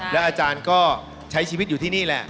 แล้วอาจารย์ก็ใช้ชีวิตอยู่ที่นี่แหละ